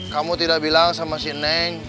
kamu tidak bilang sama si neng